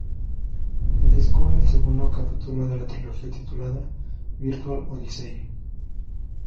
El disco es el segundo capítulo de la trilogía titulada "Virtual Odyssey".